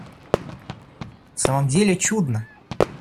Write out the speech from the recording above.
В самом деле чудно!